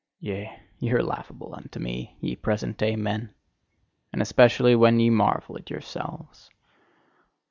Yea, ye are laughable unto me, ye present day men! And especially when ye marvel at yourselves!